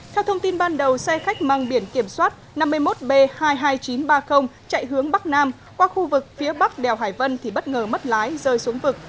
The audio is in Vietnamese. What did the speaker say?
theo thông tin ban đầu xe khách mang biển kiểm soát năm mươi một b hai mươi hai nghìn chín trăm ba mươi chạy hướng bắc nam qua khu vực phía bắc đèo hải vân thì bất ngờ mất lái rơi xuống vực